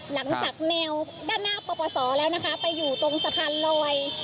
หลังจากแนวด้านหน้าปปศแล้วนะคะไปอยู่ตรงสะพานลอย